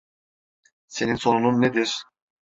Senin sorunun nedir?